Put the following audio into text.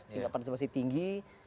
tingkat pensiun masih tinggi